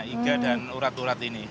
iga dan urat urat ini